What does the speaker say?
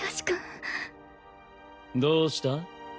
君どうした？